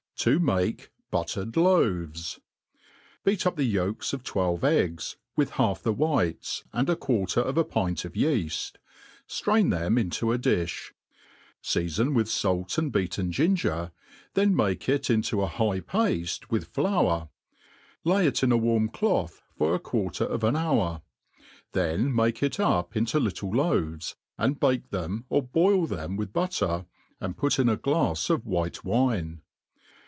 ' To make Buttered Loaves, BEAT up the yolks of twelve eggs, with half the whites, and a quarter of a pint of yeail, drain them into a difh ; feafon with fait and beaten ginger, then make it into a high pafte with flour, lay it in a warm cloth for a quarter of an hour ; then make it up into little loaves, and bake them or boil them with butter, and put in a glafs of white wine.